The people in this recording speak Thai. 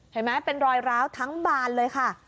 เห็นไหมเป็นรอยร้าวทั้งบานเลยค่ะ